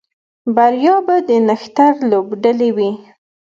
بریا به د نښتر لوبډلې وي